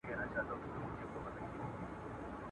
پر كورونو د بلا، ساه ده ختلې.